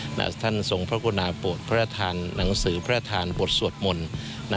หากสมพงษ์กุณนะปฏิบทานหนังสือพระธานบทสวดมนต์